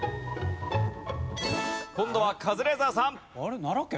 今度はカズレーザーさん。